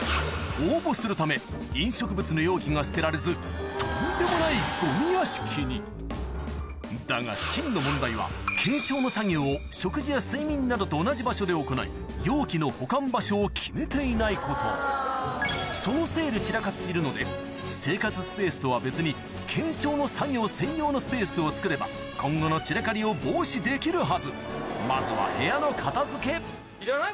応募するためだが真の問題は懸賞の作業を食事や睡眠などと同じ場所で行い容器の保管場所を決めていないことそのせいで散らかっているので生活スペースとは別に懸賞の作業専用のスペースをつくれば今後の散らかりを防止できるはずいらない？